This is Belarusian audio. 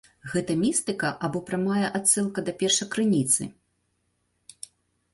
Гэта містыка або прамая адсылка да першакрыніцы?